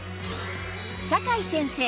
酒井先生